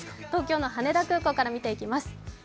東京の羽田空港から見ていきます。